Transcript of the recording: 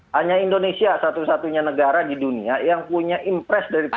hanya indonesia satu satunya negara di dunia yang punya impress